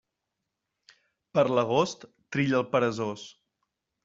Per l'agost trilla el peresós.